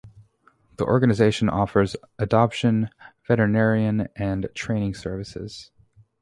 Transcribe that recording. The organization offers adoption, veterinarian, and training services.